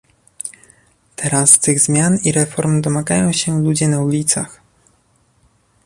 Teraz tych zmian i reform domagają się ludzie na ulicach